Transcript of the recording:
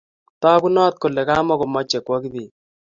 Tagunot kole kamukomache kwo Kibet